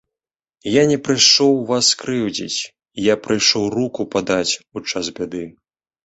Я не прыйшоў вас крыўдзіць, я прыйшоў руку падаць у час бяды.